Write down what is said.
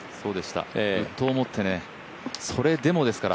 ウッドを持ってね、それでもですから。